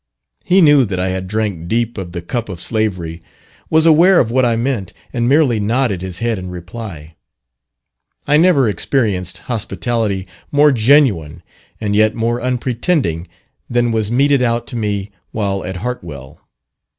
He knew that I had drank deep of the cup of slavery, was aware of what I meant, and merely nodded his head in reply. I never experienced hospitality more genuine, and yet more unpretending, than was meted out to me while at Hartwell.